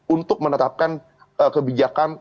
untuk menerapkan kebijakan